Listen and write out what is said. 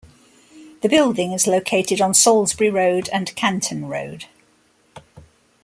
The building is located on Salisbury Road and Canton Road.